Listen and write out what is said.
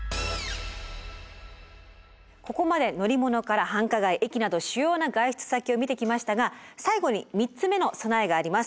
ここまで乗り物から繁華街駅など主要な外出先を見てきましたが最後に３つ目の備えがあります。